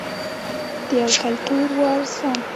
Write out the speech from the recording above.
د یو کلتور وارثان.